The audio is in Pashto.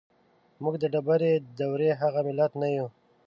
موږ د ډبرې د دورې هغه ملت نه يو.